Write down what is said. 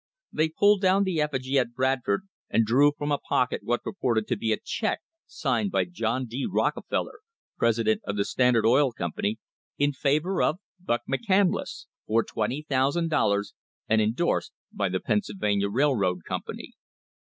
They pulled down the effigy at Bradford, and drew from a pocket what purported to be a check signed by John D. Rockefeller, president of the Standard Oil Com pany, in favour of "Buck" McCandless, for $20,000, and endorsed by the Pennsylvania Railroad Company.